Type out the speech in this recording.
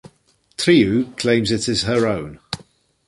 Trieu claims it as her own.